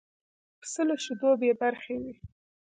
پسه له شیدو بې برخې وي.